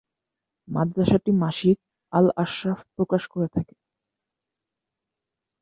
মাদ্রাসাটি মাসিক "আল-আশরাফ" প্রকাশ করে থাকে।